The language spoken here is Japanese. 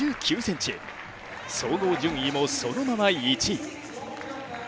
総合順位も、そのまま１位。